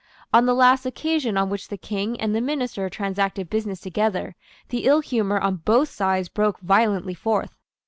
On the last occasion on which the King and the minister transacted business together, the ill humour on both sides broke violently forth.